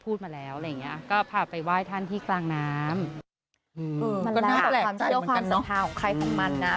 พูดมาแล้วอะไรอย่างเงี้ยก็พาไปไหว้ท่านที่กลางน้ำมันแหละความสัมภาษณ์ของใครของมันน่ะ